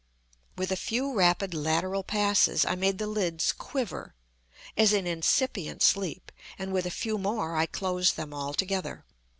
With a few rapid lateral passes I made the lids quiver, as in incipient sleep, and with a few more I closed them altogether.